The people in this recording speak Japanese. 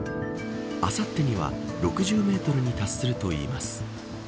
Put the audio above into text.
あさってには６０メートルに達するといいます。